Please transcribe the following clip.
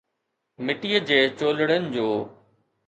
مٽيءَ جي چولڙن جو